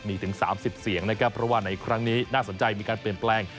มีถึง๓๐เสียงนะครับเพราะว่าในครั้งนี้น่าสนใจมีการเปลี่ยนแปลง